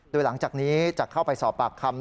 โดยหลังจากนี้จะเข้าไปสอบปากคำ